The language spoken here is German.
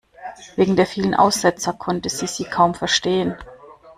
Wegen der vielen Aussetzer konnte sie sie kaum verstehen.